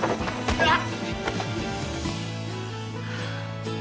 ・・うわっ！